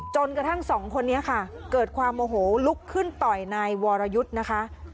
จนกระทั่งสองคนนี้ค่ะเกิดความโมโหลุกขึ้นต่อยนายวรยุทธ์นะคะ